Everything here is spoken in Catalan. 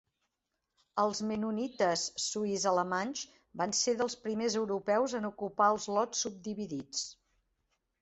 Els mennonites suís-alemanys van ser dels primers europeus en ocupar els lots subdividits.